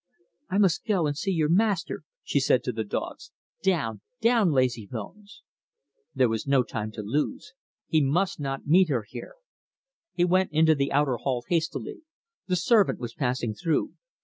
"I must go and see your master," she said to the dogs. "Down down, Lazybones!" There was no time to lose he must not meet her ere. He went into the outer hall hastily. The servant was passing through.